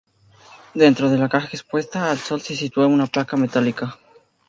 Dentro de la caja, expuesta al sol, se sitúa una placa metálica.